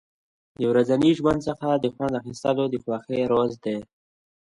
د ورځني ژوند څخه خوند اخیستل د خوښۍ راز دی.